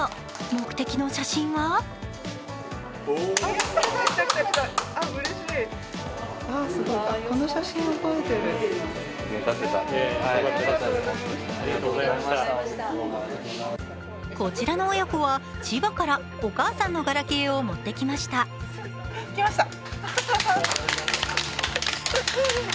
目的の写真はこちらの親子は千葉からお母さんのガラケーを持ってきました。